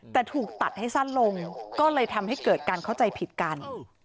แต่ถูกตัดให้สั้นลงก็เลยทำให้เกิดการเข้าใจผิดกัน